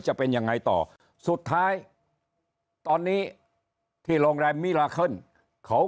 จะเป็นยังไงต่อสุดท้ายตอนนี้ที่โรงแรมมิลาเคิลเขา